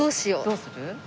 どうする？